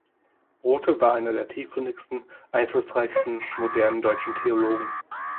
Rothe war einer der tiefgründigsten, einflussreichsten modernen deutschen Theologen.